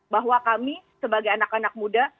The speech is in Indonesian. bahwa kami sebagai anak anak muda